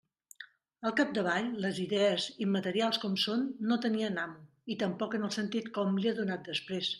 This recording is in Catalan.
Al capdavall, les idees, immaterials com són, no tenien amo, i tampoc en el sentit que hom li ha donat després.